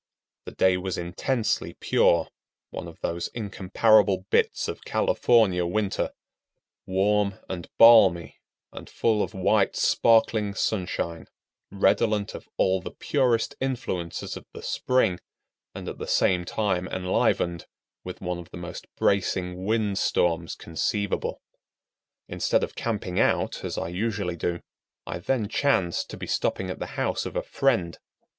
The day was intensely pure, one of those incomparable bits of California winter, warm and balmy and full of white sparkling sunshine, redolent of all the purest influences of the spring, and at the same time enlivened with one of the most bracing wind storms conceivable. Instead of camping out, as I usually do, I then chanced to be stopping at the house of a friend.